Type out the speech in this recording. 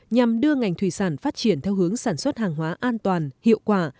nhằm đưa ngành thủy sản phát triển theo hướng sản xuất hàng hóa an toàn hiệu quả